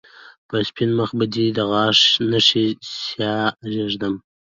په سپين مخ به دې د غاښ نښې سياه ږدم